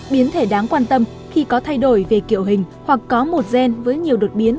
biến thể đáng quan tâm khi có thay đổi về kiểu hình hoặc có một gen với nhiều đột biến